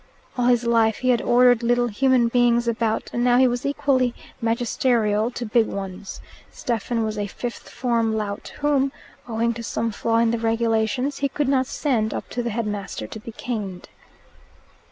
All his life he had ordered little human beings about, and now he was equally magisterial to big ones: Stephen was a fifth form lout whom, owing to some flaw in the regulations, he could not send up to the headmaster to be caned.